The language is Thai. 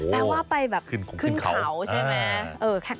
แปลว่าไปแบบขึ้นเขาใช่ไหม